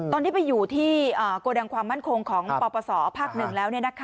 ตอนที่ไปอยู่ที่โกดังความมั่นคงของปปศภาค๑แล้ว